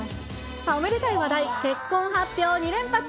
さあ、おめでたい話題、結婚発表２連発。